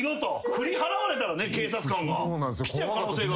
振り払われたらね警察官が。来ちゃう可能性が。